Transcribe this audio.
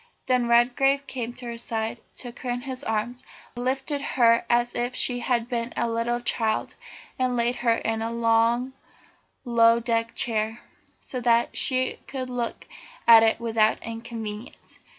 Then Redgrave came to her side, took her in his arms, lifted her as if she had been a little child, and laid her in a long, low deck chair, so that she could look at it without inconvenience.